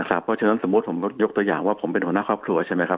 เพราะฉะนั้นสมมุติผมยกตัวอย่างว่าผมเป็นหัวหน้าครอบครัวใช่ไหมครับ